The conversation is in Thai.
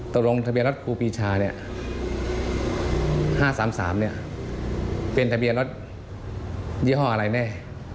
ตรงทะเบียนรถครูปีชา๕๓๓เป็นทะเบียนรถยี่ห้ออะไรแน่